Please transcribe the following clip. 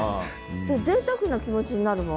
ぜいたくな気持ちになるもん。